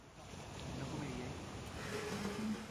no comeríais